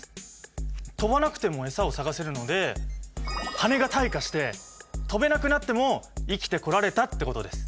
飛ばなくてもエサを探せるので羽が退化して飛べなくなっても生きてこられたってことです。